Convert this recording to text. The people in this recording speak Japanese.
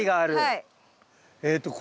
はい。